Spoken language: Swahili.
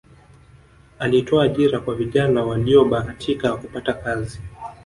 alitoa ajira kwa vijana waliyobahatika kupata kazi